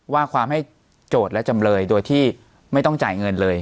ว่าความให้โจทย์และจำเลยโดยที่ไม่ต้องจ่ายเงินเลย